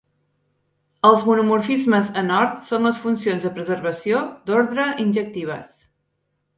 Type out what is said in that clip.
Els monomorfismes en Ord són les funcions de preservació d'ordre injectives.